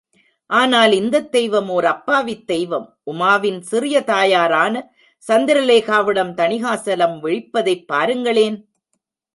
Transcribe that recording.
ஆனால் இந்தத் தெய்வம் ஓர் அப்பாவித் தெய்வம். உமாவின் சிறிய தாயாரான சந்திரலேகாவிடம் தணிகாசலம் விழிப்பதைப் பாருங்களேன்!